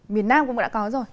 miền nam cũng đã có rồi